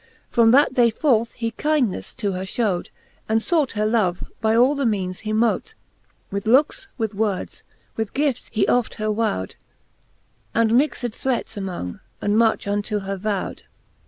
From that day forth he kyndneffe to her fiiowed, And fought her love,' by all the meanes he mote ; With looks, with words, with gifts he oft her wowed : And mixed threats among, and much unto her vowed.